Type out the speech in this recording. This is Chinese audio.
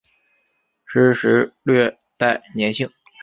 湿时略带黏性。